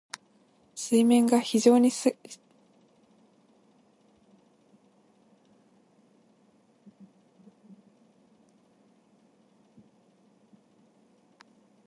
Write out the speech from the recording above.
水面が非情に静かなさま。まゆずみをたくわえ、あぶらをたたえたような静かな水面という意味。